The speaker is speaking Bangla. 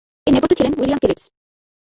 এর নেপথ্যে ছিলেন উইলিয়াম ফিলিপস।